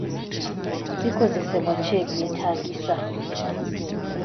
Bikozesebwa ki ebyetaagisa?